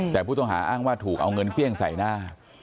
แต่ผู้ต้องหาอ้างว่าถูกเอาเงินเครื่องใส่หน้า